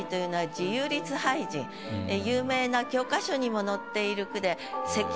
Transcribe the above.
有名な教科書にも載っている句で。